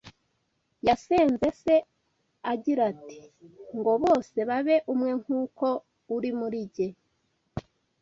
yasenze Se agira ati: “Ngo bose babe umwe nk’uko uri muri jye